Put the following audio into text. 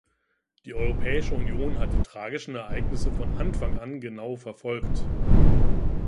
Die Europäische Union hat die tragischen Ereignisse von Anfang an genau verfolgt.